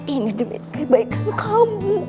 ini demi kebaikan kamu